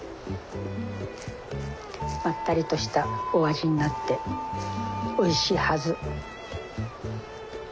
まったりとしたお味になっておいしいはず。